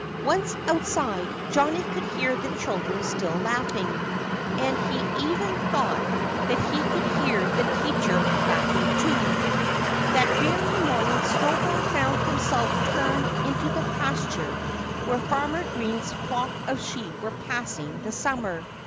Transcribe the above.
Once outside Johnnie could hear the children still laughing. And he even thought that he could hear the teacher laughing, too. That very morning Snowball found himself turned into the pasture where Farmer Green's flock of sheep were passing the summer.